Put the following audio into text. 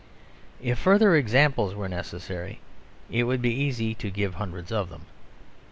If further examples were necessary, it would be easy to give hundreds of them.